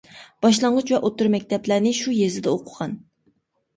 باشلانغۇچ ۋە ئوتتۇرا مەكتەپلەرنى شۇ يېزىدا ئوقۇغان.